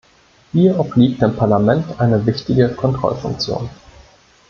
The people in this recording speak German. Hier obliegt dem Parlament eine wichtige Kontrollfunktion.